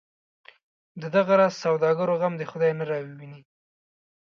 د دغه راز سوداګرو غم دی خدای نه راوویني.